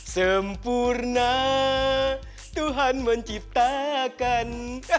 sempurna tuhan menciptakan